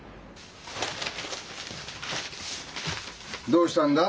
どうしたんだ？